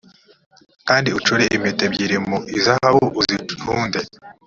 kandi ucure impeta ebyiri mu izahabu uzihunde